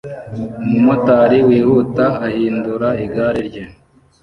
Umumotari wihuta ahindura igare rye